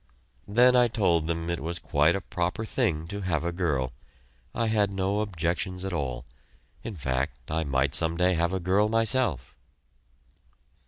Then I told them it was quite a proper thing to have a girl; I had no objections at all; in fact, I might some day have a girl myself.